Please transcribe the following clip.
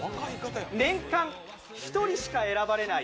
年間１人しか選ばれない